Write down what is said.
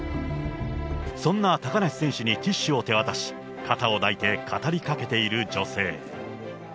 そんな高梨選手にティッシュを手渡し、肩を抱いて、語りかけている女性。